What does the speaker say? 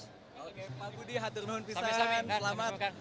oke pak budi hati hati selamat